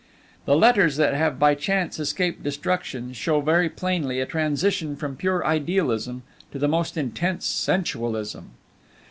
The letters that have by chance escaped destruction show very plainly a transition from pure idealism to the most intense sensualism.